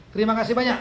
terima kasih banyak